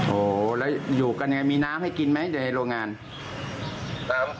โหหแล้วอยู่กันอย่างไรมีน้ำต่างหากกินไหม